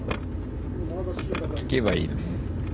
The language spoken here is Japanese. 聞けばいいのに。